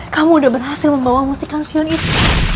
kamu udah berhasil membawa mustika sion itu